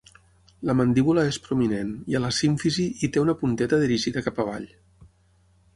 La mandíbula és prominent i a la símfisi hi té una punteta dirigida cap avall.